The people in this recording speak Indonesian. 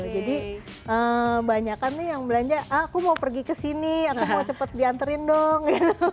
jadi banyak kan tuh yang belanja aku mau pergi ke sini aku mau cepet dianterin dong